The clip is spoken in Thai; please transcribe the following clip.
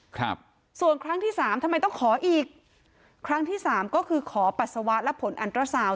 ครับส่วนครั้งที่สามทำไมต้องขออีกครั้งที่สามก็คือขอปัสสาวะและผลอันตราซาว